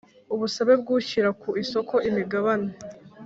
Ubusabe bw ushyira ku isoko imigabne